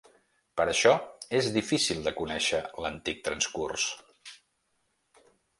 Per això és difícil de conèixer l'antic transcurs.